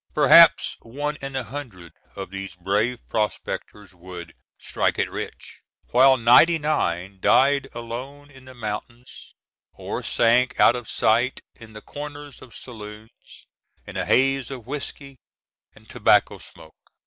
Perhaps one in a hundred of these brave prospectors would "strike it rich," while ninety nine died alone in the mountains or sank out of sight in the corners of saloons, in a haze of whiskey and tobacco smoke.